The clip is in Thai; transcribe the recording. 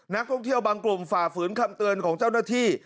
นักท่องเที่ยวบางกลุ่มฝ่าฝืนคำเตือนของเจ้าหน้าที่